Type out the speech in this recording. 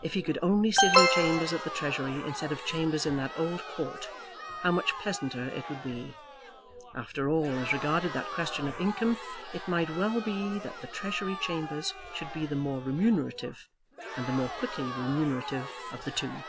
If he could only sit in chambers at the Treasury instead of chambers in that old court, how much pleasanter it would be! After all, as regarded that question of income, it might well be that the Treasury chambers should be the more remunerative, and the more quickly remunerative, of the two.